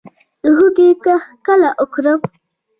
د هوږې کښت کله وکړم؟